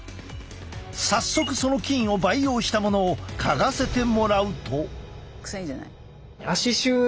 早速その菌を培養したものを嗅がせてもらうと。